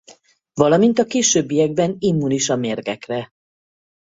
Valamint a későbbiekben immunis a mérgekre.